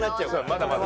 まだまだ。